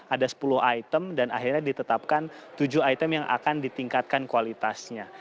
ada sepuluh item dan akhirnya ditetapkan tujuh item yang akan ditingkatkan kualitasnya